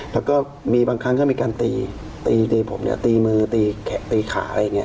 แล้วก็มีบางครั้งก็มีการตีตีผมเนี่ยตีมือตีขาอะไรอย่างนี้